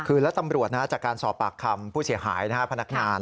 คือแล้วตำรวจจากการสอบปากคำผู้เสียหายพนักงาน